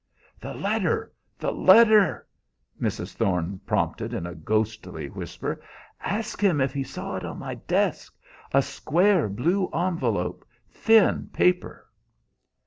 "The letter, the letter!" Mrs. Thorne prompted in a ghostly whisper. "Ask him if he saw it on my desk a square blue envelope, thin paper."